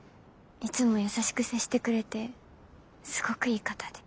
いつも優しく接してくれてすごくいい方で。